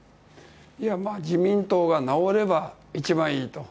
自民党が直れば一番いいと。